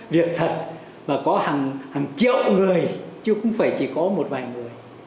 việc thật và có hàng triệu người chứ không phải chỉ có một vài người